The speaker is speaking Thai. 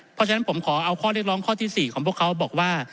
เพราะฉะนั้นผมขอเอาข้อเรียกร้องข้อที่๔ของพวกเขาบอกว่า